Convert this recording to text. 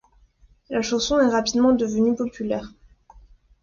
La chanson est rapidement devenue populaire.